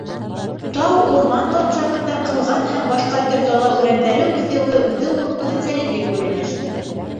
Тау-урман ландшафтында ҡылған һәм башҡа төр дала үләндәре үҫеүе үҙе үк үҙенсәлекле күренеш.